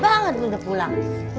cepet banget mundur pulang